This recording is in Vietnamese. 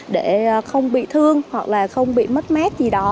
để không bị thương hoặc là không bị mất mát gì đó